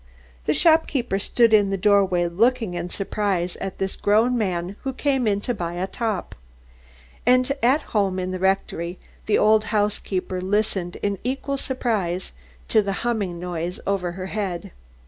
The shop keeper stood in the doorway looking in surprise at this grown man who came to buy a top. And at home in the rectory the old housekeeper listened in equal surprise to the humming noise over her head.